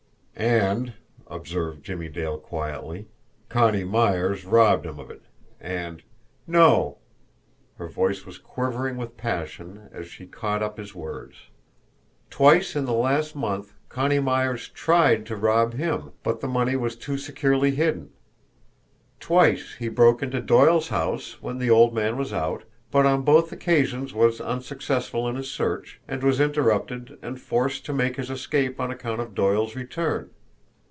"And," observed Jimmie Dale quietly. "Connie Myers robbed him of it, and " "No!" Her voice was quivering with passion, as she caught up his words. "Twice in the last month Connie Myers TRIED to rob him, but the money was too securely hidden. Twice he broke into Doyle's house when the old man was out, but on both occasions was unsuccessful in his search, and was interrupted and forced to make his escape on account of Doyle's return.